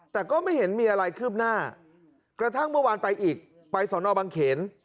แต่ก็ไม่เห็นมีอะไรคืบหน้ากระทั่งเมื่อวานไปอีกไปสอนอบังเขน